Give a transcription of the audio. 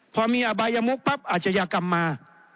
พอมีอบายมุกปั๊บอาชญากรรมมา